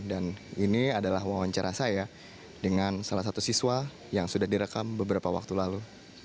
dan ini adalah wawancara saya dengan salah satu siswa yang sudah direkam beberapa waktu lalu